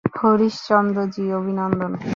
হরিশচন্দ্র জি, অভিনন্দন।